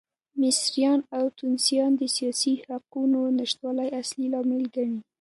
مصریان او ټونسیان د سیاسي حقونو نشتوالی اصلي لامل ګڼي.